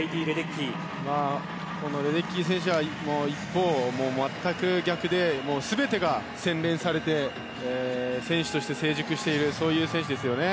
一方、レデッキー選手は全く逆で全てが洗練されて選手として成熟しているそういう選手ですよね。